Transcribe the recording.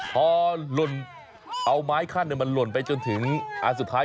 พอหล่นเอาไม้ขั้นมันหล่นไปจนถึงอันสุดท้าย